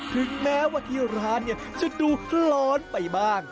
ถึงแม้ว่าที่ร้านจะดูคล้อนไปบ้าง